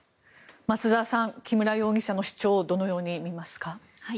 松澤さん木村容疑者の主張をどのように見ますか。